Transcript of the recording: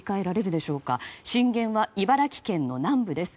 震源は茨城県の南部です。